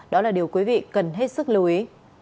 đó là điều quý vị cần hết sức lưu ý